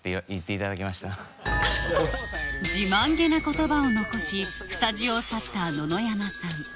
自慢げな言葉を残しスタジオを去った野々山さん